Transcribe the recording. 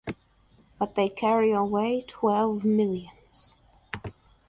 But they carry away twelve millions.